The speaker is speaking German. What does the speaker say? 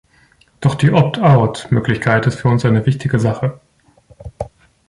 Doch die Opt-out-Möglichkeit ist für uns eine wichtige Sache.